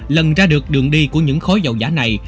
lần ra được đường đi của những khối dầu giả này